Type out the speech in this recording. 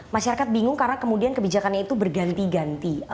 masyarakat bingung karena kemudian kebijakannya itu berganti ganti